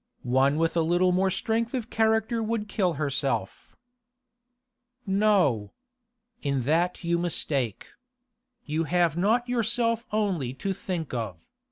One with a little more strength of character would kill herself.' 'No. In that you mistake. You have not yourself only to think of.